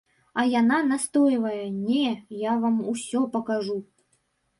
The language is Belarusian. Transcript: А яна настойвае, не, я вам усё пакажу.